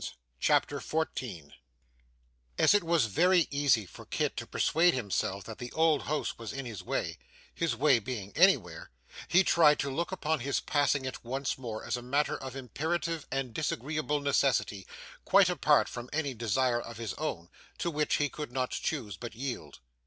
CHAPTER 14 As it was very easy for Kit to persuade himself that the old house was in his way, his way being anywhere, he tried to look upon his passing it once more as a matter of imperative and disagreeable necessity, quite apart from any desire of his own, to which he could not choose but yield.